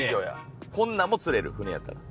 こんなんも釣れる船やったら。